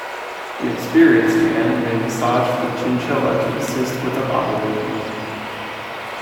An experienced hand may massage the chinchilla to assist with a bowel movement.